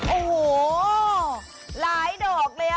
โอ้โหหลายดอกเลย